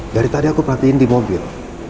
dari tadi aku perhatiin di mobil